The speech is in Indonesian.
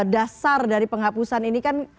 dasar dari penghapusan ini kan